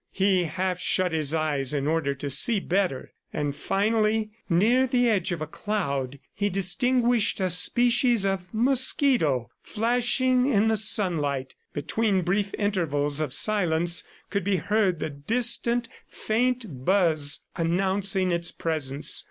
He half shut his eyes in order to see better, and finally near the edge of a cloud, he distinguished a species of mosquito flashing in the sunlight. Between brief intervals of silence, could be heard the distant, faint buzz announcing its presence.